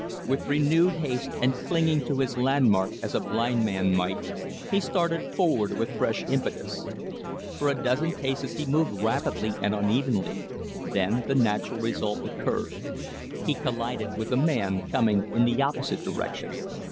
With renewed haste, and clinging to his landmark as a blind man might, he started forward with fresh impetus. For a dozen paces he moved rapidly and unevenly, then the natural result occurred. He collided with a man coming in the opposite direction.